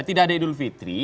tidak ada idul fitri